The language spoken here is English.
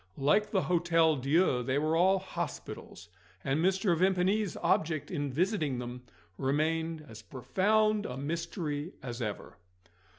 Like the Hotel Dieu, they were all hospitals; and Mr. Vimpany's object in visiting them remained as profound a mystery as ever.